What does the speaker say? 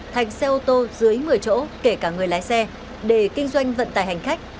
thành xe ô tô dưới một mươi chỗ kể cả người lái xe để kinh doanh vận tải hành khách